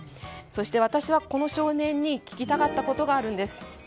そして私はこの少年に聞きたかったことがあるんです。